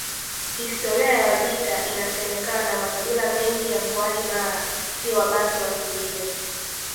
Historia ya Wajita Inasemekana makabila mengi ya mkoani Mara si wabantu asilia